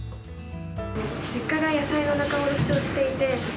実家が野菜の仲卸をやっていて。